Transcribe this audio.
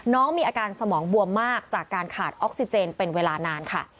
น้องมีอาการสมองบวมมากจากการขาดออกซิเจนเป็นเวลานานค่ะ